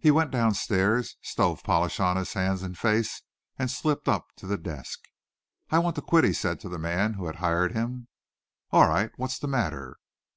He went downstairs, stovepolish on his hands and face and slipped up to the desk. "I want to quit," he said to the man who had hired him. "All right, what's the matter?"